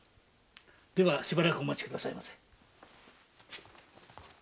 ではしばらくお待ちくださいませ。